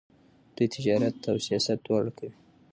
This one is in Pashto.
دوی تجارت او سیاست دواړه کوي.